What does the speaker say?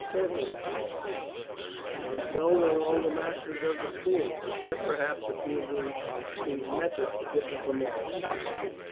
"Certainly I was; and so were all the masters of the schools, except, perhaps, a few Greeks, whose methods differ from ours.